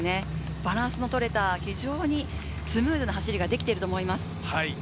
バランスのとれたスムーズな走りができていると思います。